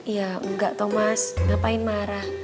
iya enggak thomas ngapain marah